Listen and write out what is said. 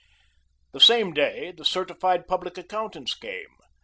The same day the certified public accountants came.